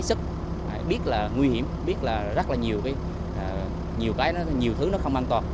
sức biết là nguy hiểm biết là rất là nhiều cái nhiều thứ nó không an toàn